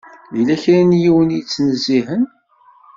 Yella kra n yiwen i yettnezzihen.